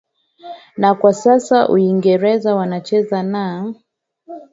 na kwa sasa uingereza wana wanacheza na